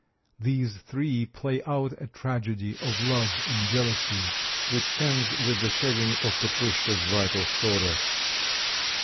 These three play out a tragedy of love and jealousy, which ends with the shedding of Petrouschka's vital sawdust.